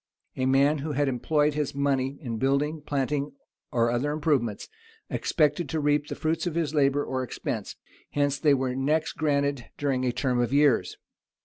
A man who had employed his money in building, planting, or other improvements, expected to reap the fruits of his labor or expense: hence they were next granted during a term of years.